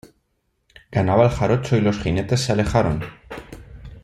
ganaba el jarocho, y los jinetes se alejaron: